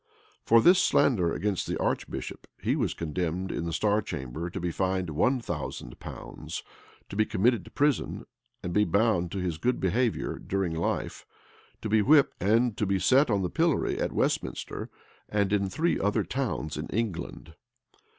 For this slander against the archbishop, he was condemned in the star chamber to be fined one thousand pounds, to be committed to prison, to be bound to his good behavior during life, to be whipped, and to be set on the pillory at Westminster, and in three other towns in England.